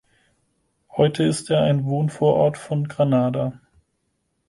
Heute ist er ein Wohnvorort von Granada.